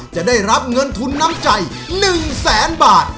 จะได้รับเงินทุนน้ำใจ๑แสนบาท